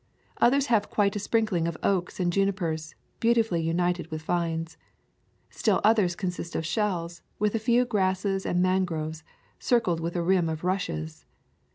Others have quite a sprinkling of oaks and junipers, beautifully united with vines. Still others consist of shells, with a few grasses and mangroves, circled with a rim of rushes.